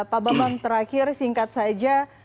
pak bambang terakhir singkat saja